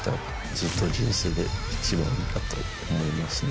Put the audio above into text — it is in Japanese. ずっと人生で一番だと思いますね。